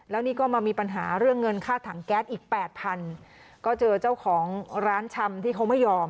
แล้วนี่ก็มามีปัญหาเรื่องเงินค่าถังแก๊สอีกแปดพันก็เจอเจ้าของร้านชำที่เขาไม่ยอม